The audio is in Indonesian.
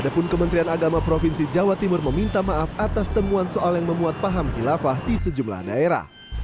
adapun kementerian agama provinsi jawa timur meminta maaf atas temuan soal yang memuat paham khilafah di sejumlah daerah